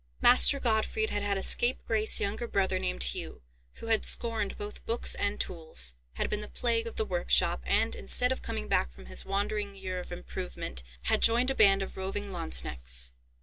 Master Gottfried had had a scapegrace younger brother named Hugh, who had scorned both books and tools, had been the plague of the workshop, and, instead of coming back from his wandering year of improvement, had joined a band of roving Lanzknechts.